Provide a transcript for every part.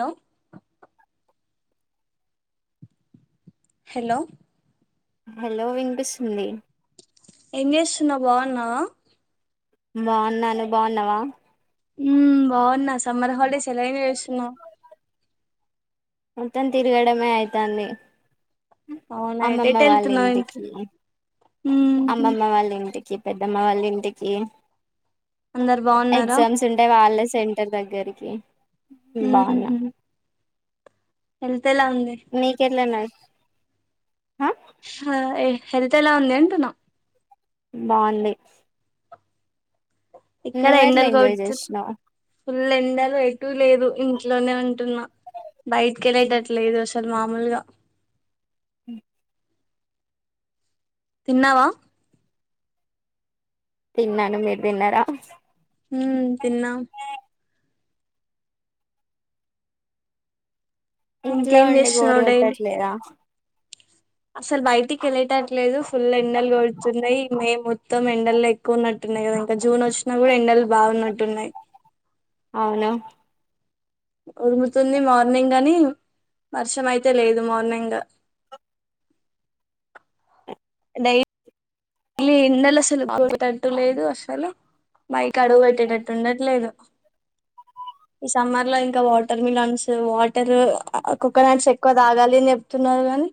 Hello [inaudible] hello [inaudible] hello వింపిస్తుఉంది ఏం చేస్తున్నా బాగున్నా బాగున్నాను బాగున్నావా ఊమ్ బాగున్నా సమ్మర్ హాలిడేస్ ఎలా ఎంజయ్ చేస్తున్నావ్ మొత్తం తిరగడమే ఐతంది. అవునయితే ఏటెళ్తున్నావ్ ఇంత ఉహ్ అమ్మమ్మ వాళ్ళ ఇంటికి పెద్దమ్మ వాళ్ళ ఇంటికి అందరు బాగున్నారా ఎగ్జామ్స్ ఉంటె వాళ్లే సెంటర్ దగ్గరికి బాగున్నా ఊహ్మ్ మీకెట్లునది ఆ ఏ హెల్తే ఎలా ఉంది అంటు నా బాగుంది ఇక్కడ నువ్ ఎట్లా ఎండలు ఎంజాయ్ కొడుతు చేసినావ్ ఫుల్ ఎండలు ఏట్ ఎటు లేదు ఇంట్లోనే ఉంటున్నా బయటకి వెళ్ళటట్టు లేదు అస మామూలుగా ఉహ్ తిన్నావా తిన్నాను మీరు తిన్నారా ఉమ్ తిన్నా ఇంట్లో ఇంకేం ఉండి గోరు చేస్తున్నావు డైలీ కొటట్లేదా అసలు బయటికి వెళ్ళటంలేదు ఫుల్ ఎండలు గడుతున్నాయి. మే మొత్తం ఎండలు ఎక్కువ ఉన్నట్టున్నాయి. కదా ఇంకా జూన్ వచ్చిన కూడా ఎండలు బాగున్నట్టున్నాయి. అవును ఉరుముతుంది మార్నింగ్ అని వర్షం అయితే లేదు మార్నింగు డైలీ డలీ ఎండలు సలు కొటట్ లేదు అసలు మైకి అడుగు పెట్టేటట్టు ఉండట్లేదు ఈ సమ్మర్ లో ఇంకా వాటర్ మిలన్స్ వాటర్ కోకోనట్స్ ఎక్కువ తాగాలి అని చెప్తున్నారు కానీ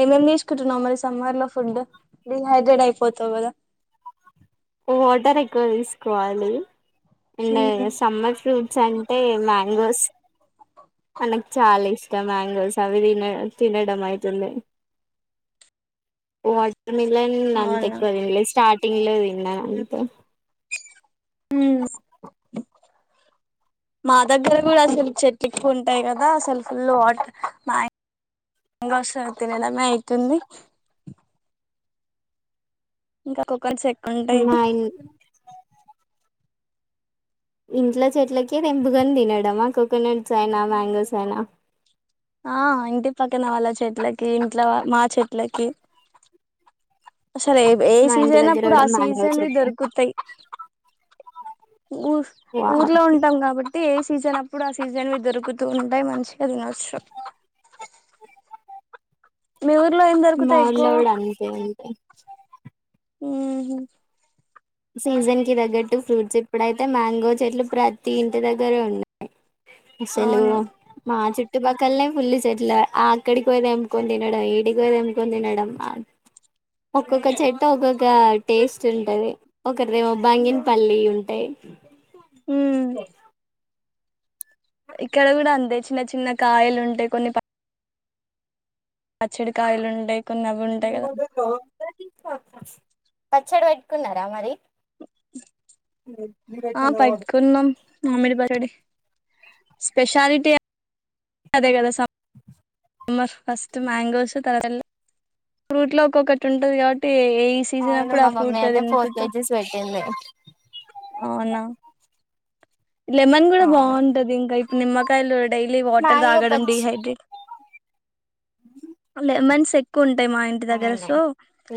ఏమేం తీసుకుంటున్నాం. మరి సమ్మర్ లో ఫుడ్ డిహైడ్రేట్ అయిపోతావు కదా. ఓ వాటర్ ఎక్కువ తీసుకోవాలి ఇంట సమ్మర్ ఫ్రూట్స్ అం ఏ మ్యాంగోస్ మనకు చాలా ఇష్టం మ్యాంగోస్ అవి తిన తినడం అయితుంది మిలన్ అంత అవునా ఎక్కువ తినలే స్టార్ట్ ఇలాది నాన్నకు ఉమ్ మా దగ్గర కూడా అసలు చెటకు ఉంటాయి కదా అసలు ఫుల్ వాట్ మాయ్ గోస్ తినడమే ఐతుంది ఇంకా కోక సే మా ఇన్ ఇంట్లో చెట్లకి కేదేం భుగందినడం కు కోకోనట్స్ ఐనా మ్యాంగోస్ అయినా ఆ ఇంటి పక్కన వాళ్ళ చెట్లకి ఇంట్లో మా చెట్లకి అసలు ఏ మా ఇంటి సీజన్ అ దగ్గర అప్పుడు ఆ కూడా మ్యాంగో సీజన్వి చెట్టు దొరుకుతయ్ ఊ వావ్ ఊర్లో ఉంటాం కాబ అయితే ఏ సీజన్ అప్పుడు ఆ సీజన్వి దొరుకుతూ ఉంటాయి మంచిగా తినొచ్చు మీ ఊర్లో ఏం మా దొరుకుతాయి ఎక్కువ ఊర్లో కూడా అంతే అంతే హ్మ్ హు సీజన్ కి తగ్గట్టు ఫ్రూట్స్ ఇప్పుడైతే మ్యాంగో చెట్లు ప్రతి ఇంటి దగ్గర ఉన్నాయి అసలు అవును మా చు చుట్టుపక్కలనే ఫుల్ చెట్లు ఆ అక్కడికి పోయి తెంపుకొని తినడం వీడికి పోయి తెంపుకొని తినడం ఒక్కొక్క చెట్టు ఒక్కొక్క టేస్ట్ ఉంటది ఒకరిదేమొ బంగిన్ పల్లి ఉంటాయి ఉమ్ ఇక్కడ కూడా అంతే చిన్న చిన్న కాయలు ఉంటాయి కొన్ని పచ్చడి కాయలుండయి ఇ క తీ పచ్చడి పెట్టుకున్నారా మరి ఆ పెట్టుకున్నాం మామడి పరిడి స్పెషాలిటీ అదే కదా స మర్ ఫస్ట్ మ్యాంగోస్ తర్వాత ఫ్రూట్ లో ఒక్కొక్కటి ఉంటుంది కాబట్టి ఏ సీజన్ అవును అప్పుడు మా ఆ ఫ్రూట్ మమ్మీ అయితే ఫోర్ తినుకుంటు కేజీస్ పెట్టింది అవునా లెమన్ కూడా అవును బాగుంటంది ఇంకా ఇప్పుడు నిమ్మకాయలు డైలీ వాటర్ మ్యాంగో తాగడం పచ్చ డిహైడ్రేట్ లెమన్స్ తె కుండ్ మా ఇంటి దగ్గర అవును సో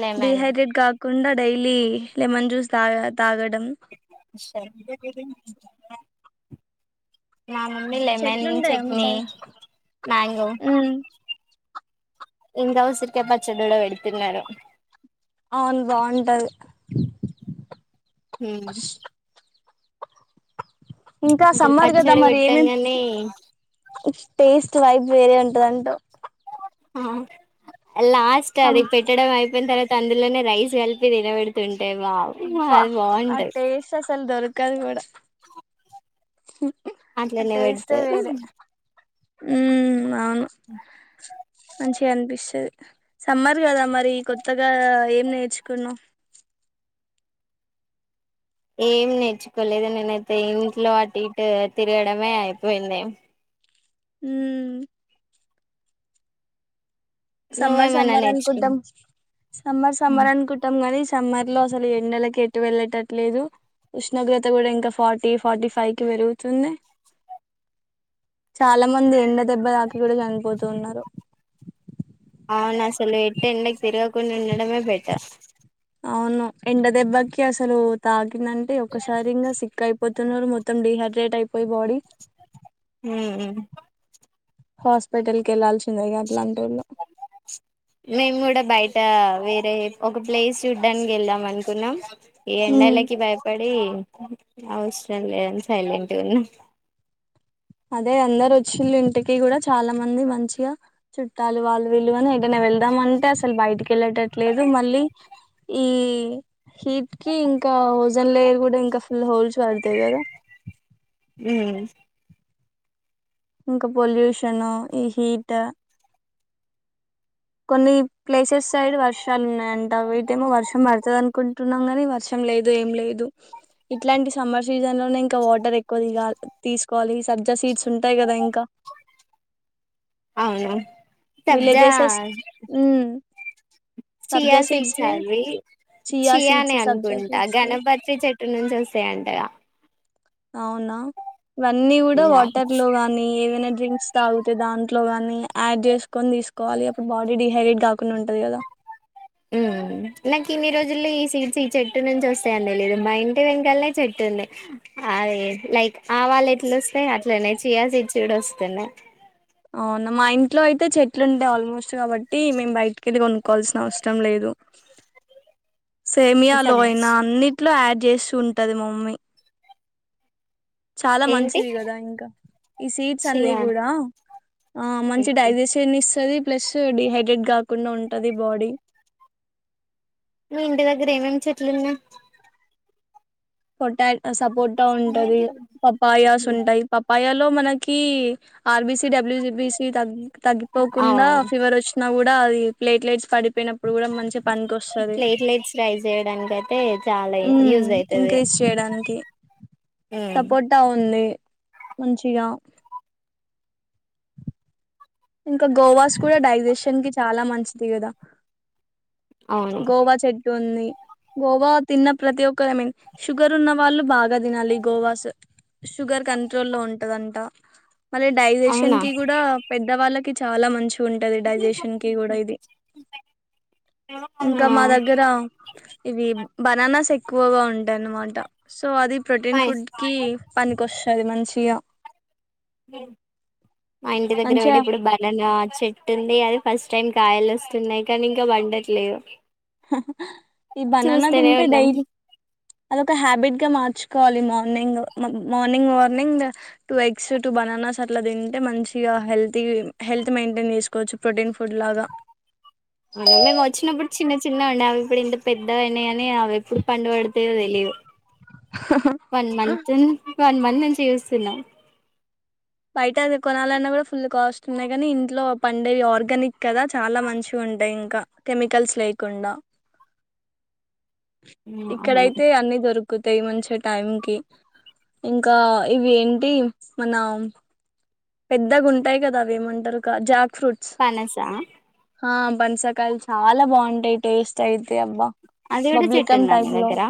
లెమన్ డిహైడ్రేట్గా కాకుండా డైలీ లెమన్ జ్యూస్ తా తాగట్ [unintelligible] మా మమ్మీ లెమన్ చెట్లుంటాయా మీ చట్నీ సైడ్ మ్యాంగో ఉమ్ ఇంగా ఊసరికాయ పచ్చడి గూడా పెడుతున్నారు అవును బాంటది హ్మ్ ఇంకా అసలు సమ్మర్ కదా పచ్చడి మరి ఏమేమ్ పెట్టంగానే టేస్ట్ వైపు వేరే ఉంటదింటూ ఆ లాస్ట్ సం అది పెట్టడం అయిపోయిన తర్వాత అందులోనే రైస్ కలిపి తీనబడుతుంది. అంటే బా అది బావుంటది కరువడ [unintelligible] [inaudible] హూ అట్లనే పెడతారు ఉమ్ మ అవును మంచిగా అనిపిస్తుది. సమ్మర్ కదా మరి కొత్తగా ఆ ఏం నేర్చుకున్నాం. ఏమి నేర్చుకోలేదు. నేనైతే ఇంట్లో అటు ఇటు తిరగడమే అయిపోయింది. ఉమ్... సమ్మర్ నువ్వేమన్నా సమ్మార్ నేర్చుకు అనుకుంటాం. సమ్మర్ సమ్మార్ అనుకుంటాం. కానీ సమ్మర్ లో అసలు ఎండలలకు ఎటు వెళ్ళటట్లేదు. ఉష్ణోగ్రత కూడా ఇంకా ఫార్టీ ఫార్టీ ఫైవ్ కి పెరుగుతుంది. చాలా మంది ఎండ దెబ్బ తాకిడికి కూడా చనిపోతున్నారు. అవును అసలు ఎట్ ఎండకి తిరగకుండా ఉండడమే బెటర్. అవును ఎండ దెబ్బకి అసలు తాగి దంటే ఒకసారింగా సిక్కయి పొద్దున్ననే మొత్తం డిహైడ్రట్యి ఉ ఉమ్ హాస్పిటల్ కి వెళ్లాల్సిందేగా ప్చ్ మేము కూడా బయట ఆ వేరే ఒక ప్లేస్ చూడ్డానికి వెళ్దాం అనుకున్నాం. ఈ ఎండలకి భయపడి అవసరంలేనని సైలెంట్ ఉన్న అదే అందరు వచ్చిన ఇంటికి కూడా చాలా మంది మంచిగా చుట్టాలు వాళ్ళు వీళ్ళు ఎటైనా వెళ్దామంటే. అసలు బయటికి వెళ్ళటట్లేదు. మళ్ళీ ఈ హీట్ కి ఇంకా ఓజన్ లేయర్ కూడా ఇంకా ఫుల్ హోల్స్ పడతాయి. కదా ఉ.... స్ ఇంకా పొల్యూషనా ఈ హీటా కొన్ని ప్లేసెస్ సైడ్ వర్షాలు ఉన్నాయంట వీటేమో వర్షం పడుతుంది. అనుకుంటున్నాము కాని వర్షం లేదు ఏమ్ లేదు. ఇట్లాంటి సమ్మర్ సీజన్ లోనే ఇంకా వాటర్ ఎక్కువ ఇవ్వాలి తీసుకోవాలి. సబ్జా సీడ్స్ ఉంటాయి కదా ఇంకా అవునా సబ్దా విలేజెసెస్ ఉమ్ చియా సీడ్స్ అవి చియా సీడ్స్ నే సబ్జా అనుకుంటా సీడ్స్ గణపతి చెట్టు నుంచి వస్తాయ అంటగా అవ్నా ఇవన్నీ కూడా యా వాటర్ లో గానీ ఏవైనా డ్రింక్ తాగుతే దాంట్లో గాని యాడ్ చేసుకొని తీసుకోవాలి. అప్పుడు బాడీ డిహైడ్రేట్ గాకుండా ఉంటది. కదా ఉమ్ నాకు ఇన్ని రోజుల్లో ఈ సీడ్స్ ఈ చెట్టు నుంచి వస్తాయని తెలియదు. మా ఇంటి వెనకల్నే చెట్టు ఉంది అయే లైక్ ఆవాళ్ళు ఎట్ల వస్తాయి. అట్లానే చియా సీడ్స్ కూడా వస్తున్నాయి. అవునా మా ఇంట్లో అయితే చెట్లుడాయి ఆల్మోస్ట్ కాబటి మేమ్ బయకిళ్ళి కొను కాల్సిన ఇష్టం లేదు సేమియా లో సబ్ ఐనా అన్నిట్లో అడ్ చేస్తుంటాది మమ్మీ చాలా ఏంటి మంచిది కదా ఇంకా ఈ సీట్స్ అన్ని చీయా కూడా ఆ ఆ మంచి డైజెషన్ ఇస్తాది ప్లస్ డిహైడ్రేట్ కాకుండా ఉంటది బాడీ మీ ఇంటి దగ్గర ఎం ఎం చెట్లున్నయ్ పొటాటో సపోటా పోట ఉంటది పపాయాస్ ఉంటాయి పపాయాలు లో మనకి ఆర్బిసి డబ్ల్యూసిబిసి తగ్ తగ్గిపోకుండా అవును ఫీవర్ వచ్చినా గుడ అది ప్లేట్లెట్స్ పడిపోయిన కూడా మంచి పనికి వస్తది ప్లేట్లెట్స్ రైజ్ చేయడానికైతే చాలా ఉమ్ యూజ్ ఐ ఇంక్రీజ్ చేయడానికి నికి ఉమ్ సపోటా ఉంది మంచిగా ఇంకా గోవాస్ కూడా డైజెషన్ కి చాలా మంచిది కదా అవును గోవా చెట్టు ఉంది గోవా తిన్న ప్రతి ఒక్కరు ఐ మీన్ షుగర్ ఉన్న వాళ్ళు బాగా తినాలి గోవాస్ షుగర్ కంట్రోల్ లో ఉంటదంట మళ్లీ డైజెషన్ అవునా కి కూడా పెద్ద వాళ్ళకి చాలా మంచి ఉంటది డైజెషన్ కి కూడా ఇది ఇంకా ఆ మా దగ్గర ఇవి బనానా బననాస్ ఎక్కువగా ఉంటాయి అన్మాట సో అది ప్రొటీన్ ఫుడ్కి పనికొస్ ఉంటది మంచిగా బెం మా ఇంటి దగ్గర కూడ మంచిగా ఇప్పుడు బననా చెట్టుంది అది ఫస్ట్ టైం కాయలు వస్తున్నాయి కానీ ఇంకా పండట్లేదు అహ్ హా ఈ బనానా చూస్తూనే తింటే ఉన్నాం డైలీ అదొక హ్యాబిట్ గా మార్చు కాలిమామ్ ర్నింగ్ morning walk morning two eggs two bananas అట్లా తింటే మంచిగా హెల్తీ హెల్త్ మెయింటైన్ చేసుకోవచ్చు ప్రొటీన్ ఫుడ్ లాగా అవును మేము వచ్చినప్పుడు చిన్న చిన్నగా ఉండే అవి ఇప్పుడు ఇంత పెద్దగైనైయ్ అని అవి ఎప్పుడు పండు పడతయో తెలియదు వన్ మంత్న్ వన్ మంత్ నుంచి చూస్తున్నా బయట అది కొనాలన్నా కూడా ఫుల్ కాస్ట్ ఉన్నాయి. కానీ ఇంట్లో పండేవి ఆర్గానిక్ కదా చాలా మంచిగుంటయ్. ఇంకా కెమికల్స్ లేకుండా హ్మ్, అవును ఇక్కడయితే అన్నీ దొరుకు తక్కుతాయి మంచి టైం కి ఇంకా ఇవి ఏంటి మన పెద్దగా ఉంటాయి. కదా అవి ఏమంటారు జా ఫ్రట్స్ పనస బన్సకాయలు చాలా బాగుంటాయి. టేస్ట్ అయితే అబ్బా అదిడు బబ్లికం చెట్ందా మీ టైప్ లో వగగర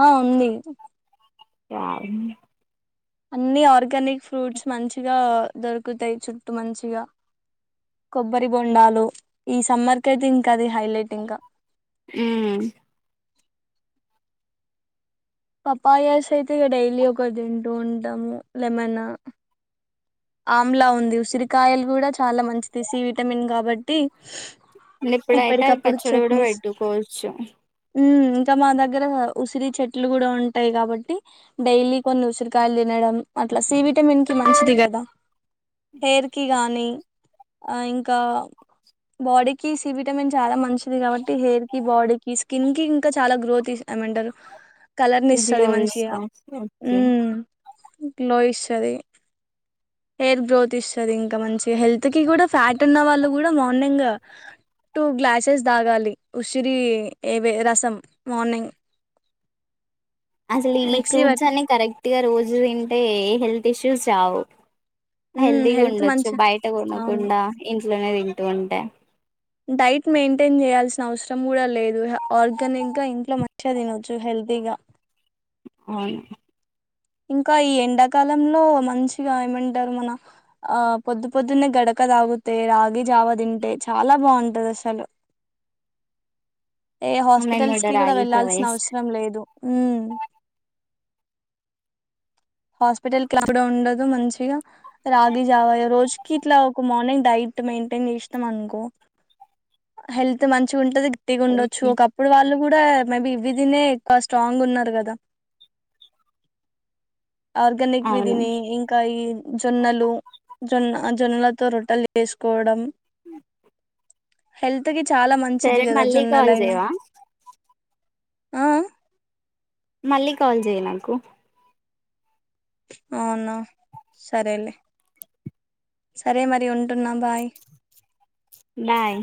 ఆ ఉంది ఆ అన్ని ఆర్గానిక్ ఫ్రూట్స్ మంచిగా దొరుకుతాయి. చుట్టూ మంచిగా కొబ్బరి బొండాలు ఈ సమ్మర్ క అయితే ఇంకాది హైలైట్ ఇంకా. ఆ పపాయస్ అయితే ఇ డైలీ ఒక తింటూ ఉంటాము లెమన్నా ఆమ్లా ఉంది ఉసిరికాయలు కూడా చాలా మంచిదిసి విటమిన్ కాబట్టి ఇప్పుడైతే అది ఎప్పటికప్పుడు పచ్చడి కూడా చట్నీస్ పెట్టుకోవచ్చు ఇంకా మా దగ్గర ఉసిరి చెట్లు కూడా ఉంటాయి. కాబట్టి డైలీ కొన్ని ఉసిరికాయలు తినడం అట్లా సి విటమిన్ కి మంచిది. కదా హెయిర్ కి గానీ ఆ ఇంకా బాడీకి సి విటమిన్ చాలా మంచిది కాబట్టి హెయిర్ కి బాడీ కి స్కిన్ కి ఇంకా చాలా గ్రోత్ ఇసామంటారు కలర్ ని ఇస్తుది గ్లో మంచిగా తీసుకోవచ్చు ఉ ఓకే లోయి సది హెయిర్ గ్రోత్ ఇస్తుంది. ఇంకా మంచి హెల్త్కి కూడా ఫ్యాట్ ఉన్న వాళ్ళు కూడా మార్నింగ్ టూ గ్లాసెస్ తాగాలి. ఉసిరి ఏవే రసం మార్నింగ్ అసలు ఈ మిక్సీ ఫ్రూట్స్ పట్ అన్ని కరెక్ట్ పర్తిగా రోజు తింటే ఏ హెల్త్ ఇష్యూస్ రావు మ్మ్ హెల్దీగా హెల్త్ ఉండొచ్చు మంచి బయట అవును కొనకుండా ఇ లోనే తింటూ ఉంటాయి డైట్ మెయింటైన్ చేయాల్సిన అవసరం కూడా లేదు ఆర్గానిక్ గా ఇంట్లో మంచిగా తినొచ్చు హెల్తీగా అవును ఇంకా ఈ ఎండాకాలంలో మంచిగా ఏమంటారు. మన ఆ పొద్దు పొద్దున్నే గడక తాగితే రాగి జావ తింటే చాలా బాగుంటది. అసలు ఏ మేము హాస్పిటల్స్ కి కూడా రాగి జావ వెళ్లాల్సిన చేస్ అవసరం లేదు అవు హాస్పిటల్ కిలా కూడాడ ఉండదు. మంచిగా రాగి జావా రోజుకి ఇట్లా ఒక మార్నింగ్ డైట్ మెయింటైన్ చేస్తాం. అనుకో హెల్త్ మంచి ఉంటది పటిగా ఉండచ్చు ఓకే ఒకప్పుడు వాళ్ళు కూడా మేబి ఇవి తిన ఎక్కువ స్ట్రాంగ్ ఉన్నారు కదా ఆర్గానిక్ అవును విధిని ఇంకా ఈ జొన్నలు జొన్న జొన్నలతో రొట్టెలు వేసుకోవడం అ హెల్త్కి చాలా మంచిది కదా మళ్ళీ కాల్ జొన్నలయినా చేయవా ఆ మళ్ళీ కాల్ చెయ్ నాకు అవునా సరేలే సరే మరి ఉంటున్నా బాయ్ బాయ్